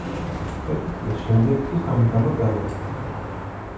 ერთი წლის შემდეგ კი სამუდამოდ გამოისყიდა.